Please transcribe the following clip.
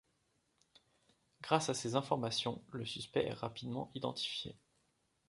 Grâce à ses informations, le suspect est rapidement identifié.